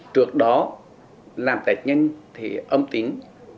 trước đó làm test nhanh thì âm tính